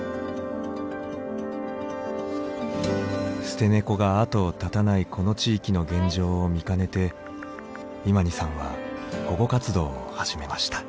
捨て猫が後を絶たないこの地域の現状を見かねて今仁さんは保護活動を始めました。